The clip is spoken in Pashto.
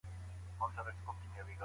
لويه جرګه ملي هويت پياوړی ساتي.